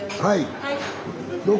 はい。